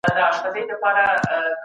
وزیران به نوي تړونونه لاسلیک کړي.